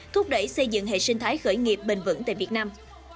thúc đẩy xây dựng hệ sinh thái khởi nghiệp bền vững tại việt nam